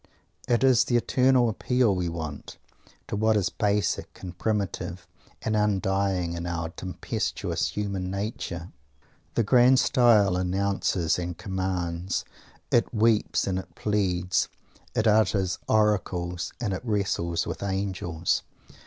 It is the eternal appeal we want, to what is basic and primitive and undying in our tempestuous human nature! The grand style announces and commands. It weeps and it pleads. It utters oracles and it wrestles with angels.